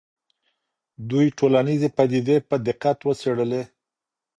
دوی ټولنیزې پدیدې په دقت وڅېړلې.